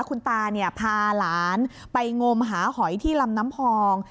คุณตาพาหลานไปงมหาหอยที่ลำน้ำพอง